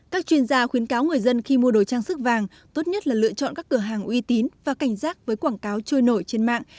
các chuyên gia khuyến cáo người dân khi mua đồ trang sức vàng tốt nhất là lựa chọn các cửa hàng uy tín và cảnh giác với quảng cáo trôi nổi trên mạng